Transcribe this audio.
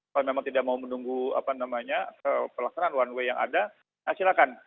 kalau memang tidak mau menunggu pelaksanaan one way yang ada silakan